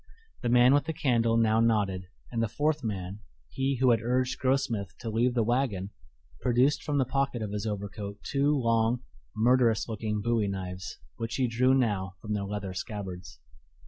The man with the candle now nodded, and the fourth man he who had urged Grossmith to leave the wagon produced from the pocket of his overcoat two long, murderous looking bowie knives, which he drew now from their leather scabbards.